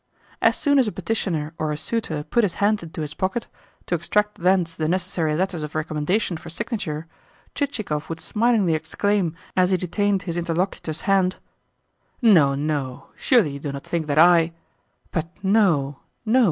As soon as a petitioner or a suitor put his hand into his pocket, to extract thence the necessary letters of recommendation for signature, Chichikov would smilingly exclaim as he detained his interlocutor's hand: "No, no! Surely you do not think that I ? But no, no!